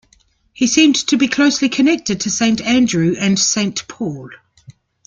He seemed to be closely connected to Saint Andrew and Saint Paul.